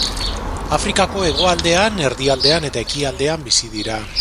Afrikako hegoaldean, erdialdean eta ekialdean bizi dira.